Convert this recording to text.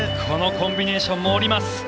このコンビネーションも降ります。